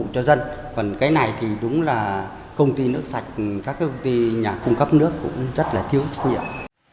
còn cái này thì đúng là công ty nước sạch các công ty nhà cung cấp nước cũng rất là thiếu trách nhiệm